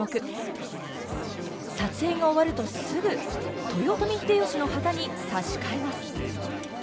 撮影が終わるとすぐ豊臣秀吉の旗に差し替えます。